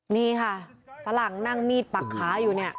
นี่ค่ะฝรั่งนั่งมีดปักขาอยู่เนี่ย